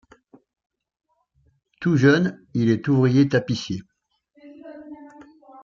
Tout jeune, il est ouvrier tapissier.